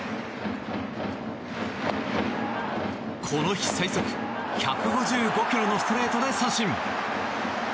この日、最速１５５キロのストレートで三振。